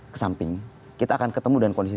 ke samping kita akan ketemu dengan kondisi